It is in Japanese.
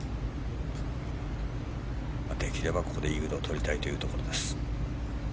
できればここでイーグルをとりたいところ。